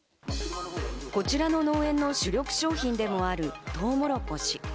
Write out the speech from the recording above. こちらの農園の主力商品でもあるトウモロコシ。